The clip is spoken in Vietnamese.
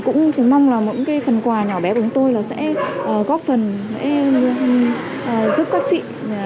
cũng chỉ mong là một phần quà nhỏ bé của chúng tôi là sẽ góp phần giúp các chị